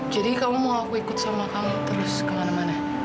jadi kamu mau aku ikut sama kamu terus kemana mana